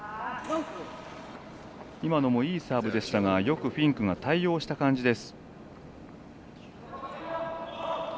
今のもいいサーブでしたがよくフィンクが対応した感じです。